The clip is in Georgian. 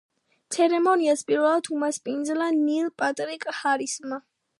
ცერემონიას პირველად უმასპინძლა ნილ პატრიკ ჰარისმა.